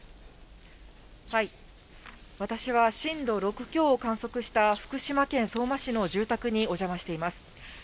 私は震度６強を観測した、福島県相馬市に住宅にお邪魔しています。